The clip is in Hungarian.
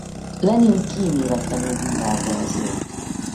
Lenin kíméletlenül bírálta ezért.